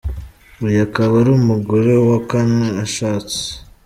Uyu akaba ari umugore wa kane ashatse.